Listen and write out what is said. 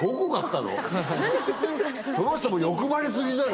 その人も欲張り過ぎじゃない？